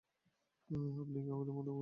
আপনি এখন নববধূকে চুম্বন করতে পারেন।